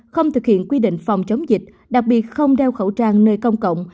không thực hiện quy định phòng chống dịch đặc biệt không đeo khẩu trang nơi công cộng